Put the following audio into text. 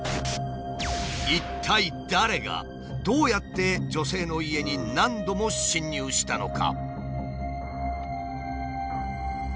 一体誰がどうやって女性の家に何度も侵入したのか？